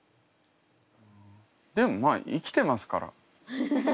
でもまあ生きてますから。